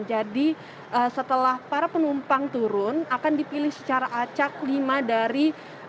jadi setelah para penumpang turun akan dipilih secara acak lima dari